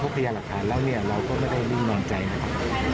พยายามหลักฐานแล้วเนี่ยเราก็ไม่ได้นิ่งนอนใจนะครับ